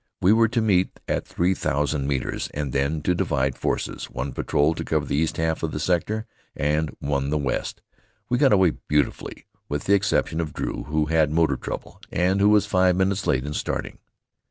We were to meet at three thousand metres, and then to divide forces, one patrol to cover the east half of the sector and one the west. We got away beautifully, with the exception of Drew, who had motor trouble and was five minutes late in starting.